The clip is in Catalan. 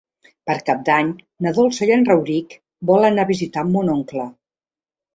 Per Cap d'Any na Dolça i en Rauric volen anar a visitar mon oncle.